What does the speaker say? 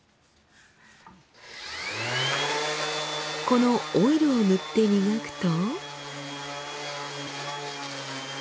このオイルを塗って磨くと。